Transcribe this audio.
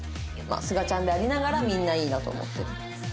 すがちゃんでありながらみんないいなと思ってる。